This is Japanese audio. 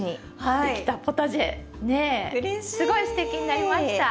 すごいすてきになりました。